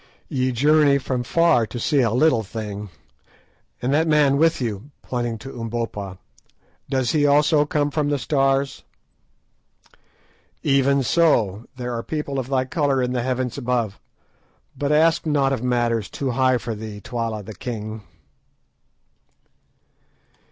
"Ye journey from far to see a little thing. And that man with you," pointing to Umbopa, "does he also come from the Stars?" "Even so; there are people of thy colour in the heavens above; but ask not of matters too high for thee, Twala the king."